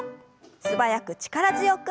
素早く力強く。